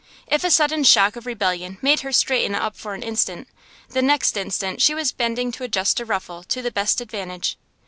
If a sudden shock of rebellion made her straighten up for an instant, the next instant she was bending to adjust a ruffle to the best advantage.